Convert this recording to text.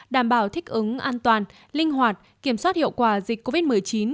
đảm bảo thích ứng an toàn linh hoạt kiểm soát hiệu quả dịch covid một mươi chín